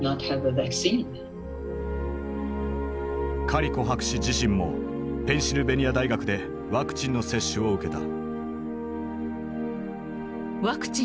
カリコ博士自身もペンシルベニア大学でワクチンの接種を受けた。